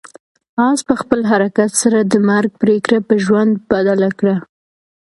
آس په خپل حرکت سره د مرګ پرېکړه په ژوند بدله کړه.